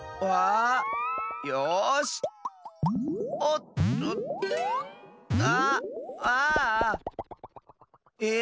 ああ！